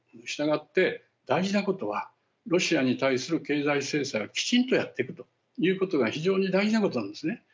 したがって大事なことはロシアに対する経済制裁をきちんとやっていくということが非常に大事なことなんですね。